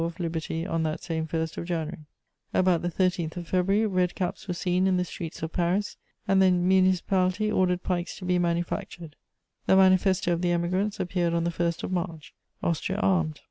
of Liberty on that same 1st of January. About the 13th of February, red caps were seen in the streets of Paris, and the municipality ordered pikes to be manufactured. The manifesto of the Emigrants appeared on the 1st of March. Austria armed.